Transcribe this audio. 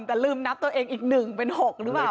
แต่ลืมนับตัวเองอีก๑เป็น๖หรือเปล่า